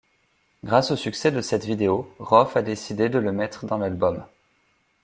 Grâce au succès de cette vidéo, Rohff a décidé de le mettre dans l'album.